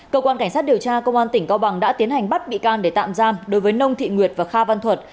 cơ quan cảnh sát điều tra công an tỉnh cao bằng đã tiến hành bắt bị can để tạm giam đối với nông thị nguyệt và kha văn thuật